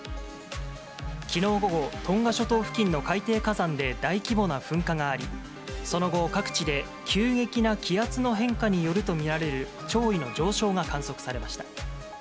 きのう午後、トンガ諸島付近の海底火山で大規模な噴火があり、その後、各地で急激な気圧の変化によると見られる潮位の上昇が観測されました。